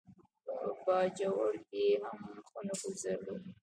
په باجوړ کې یې هم ښه نفوذ درلود.